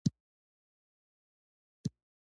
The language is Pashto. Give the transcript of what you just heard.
د شیرینو ارمان مې لا په زړه کې پاتې دی.